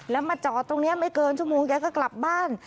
แล้วมาจอดตรงนี้ไม่เกินชั่วโมงแกก็กลับบ้าน